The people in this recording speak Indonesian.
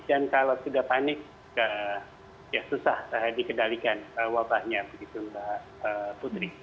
dan kalau sudah panik ya susah dikendalikan wabahnya begitu mbak putri